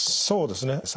そうですね。